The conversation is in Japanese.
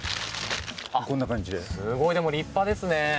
すごい立派ですね。